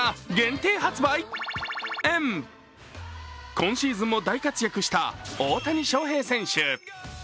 今シーズンも大活躍した大谷翔平選手。